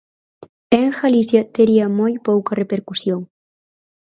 E en Galicia tería moi pouca repercusión.